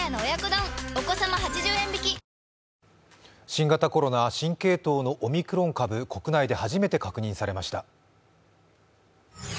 新型コロナ新系統のオミクロン株、国内で初めて確認されました。